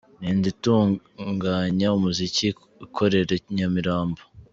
Ni inzu itunganya umuziki ikorera i Nyamirambo.